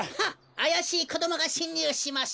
あやしいこどもがしんにゅうしました。